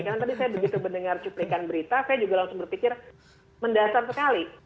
karena tadi saya begitu mendengar cuplikan berita saya juga langsung berpikir mendasar sekali